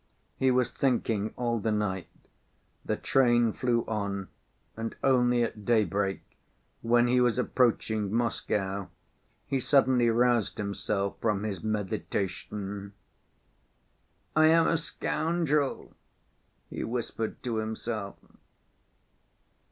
He was thinking all the night. The train flew on, and only at daybreak, when he was approaching Moscow, he suddenly roused himself from his meditation. "I am a scoundrel," he whispered to himself.